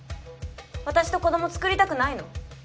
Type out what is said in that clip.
私と子ども作りたくないの？